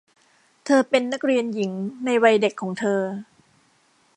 เธอเป็นนักเรียนหญิงในวัยเด็กของเธอ